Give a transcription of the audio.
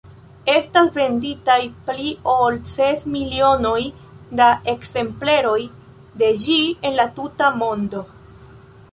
Estas venditaj pli ol ses milionoj da ekzempleroj de ĝi en la tuta mondo.